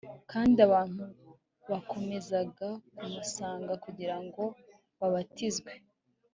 kandi abantu bakomezaga kumusanga kugira ngo babatizwe